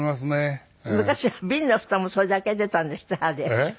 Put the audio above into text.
えっ？